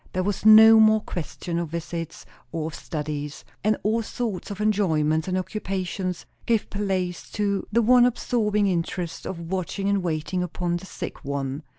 There was no more question of visits, or of studies; and all sorts of enjoyments and occupations gave place to the one absorbing interest of watching and waiting upon the sick one.